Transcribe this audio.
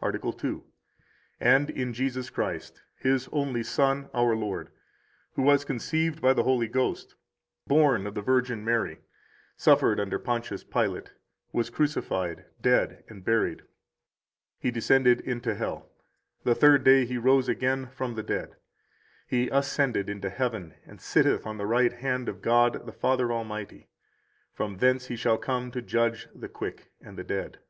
Article II. 25 And in Jesus Christ, His only Son, our Lord, who was conceived by the Holy Ghost, born of the Virgin Mary; suffered under Pontius Pilate, was crucified, dead, and buried; He descended into hell; the third day He rose again from the dead; He ascended into heaven, and sitteth on the right hand of God the Father Almighty; from thence He shall come to judge the quick and the dead.